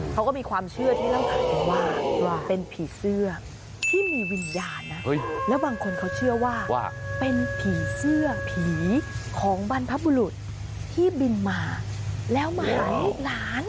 เขาก็มีความเชื่อที่เล่าข่าวไปว่าเป็นผีเสื้อที่มีวิญญาณนะแล้วบางคนเขาเชื่อว่าเป็นผีเสื้อผีของบรรพบุรุษที่บินมาแล้วมาหาลูกหลาน